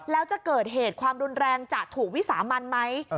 แล้วจะเกิดเหตุความรุนแรงจะถูกวิสามันไหม